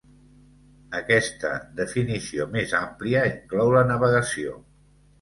Aquesta definició més àmplia inclou la navegació.